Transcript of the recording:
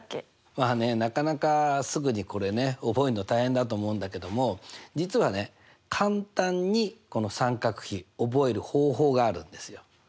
まあねなかなかすぐにこれね覚えるの大変だと思うんだけども実はね簡単にこの三角比覚える方法があるんですよ。